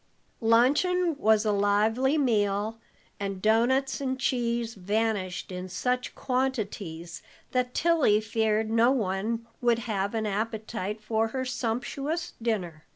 Luncheon was a lively meal, and doughnuts and cheese vanished in such quantities that Tilly feared no one would have an appetite for her sumptuous dinner.